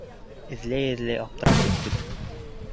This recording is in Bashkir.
Эҙләй-эҙләй аптырап бөттөк.